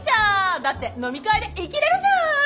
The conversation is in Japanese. だって飲み会でイキれるじゃん？